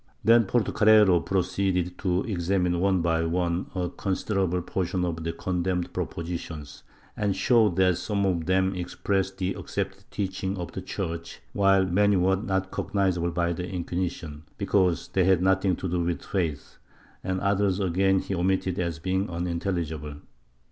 Then Portocarrero proceeded to examine one by one a considerable portion of the condemned propositions and showed that some of them expressed the accepted teaching of the Church, while many were not cognizable by the Inquisition, because they had nothing to do with faith, and others again he omitted as being unintelligible.